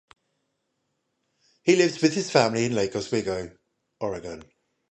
He lives with his family in Lake Oswego, Oregon.